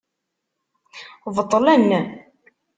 Beṭlen.